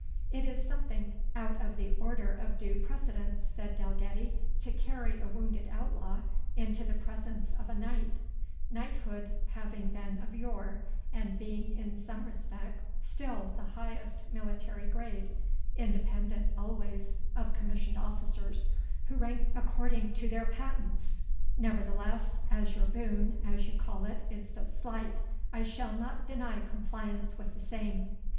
"It is something out of the order of due precedence," said Dalgetty, "to carry a wounded outlaw into the presence of a knight; knighthood having been of yore, and being, in some respects, still, the highest military grade, independent always of commissioned officers, who rank according to their patents; nevertheless, as your boon, as you call it, is so slight, I shall not deny compliance with the same."